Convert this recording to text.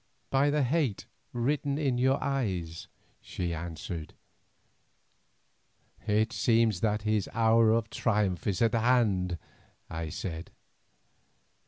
"By the hate written in your eyes," she answered. "It seems that his hour of triumph is at hand," I said.